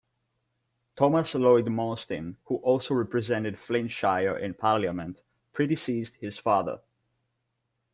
Thomas Lloyd-Mostyn, who also represented Flintshire in Parliament, predeceased his father.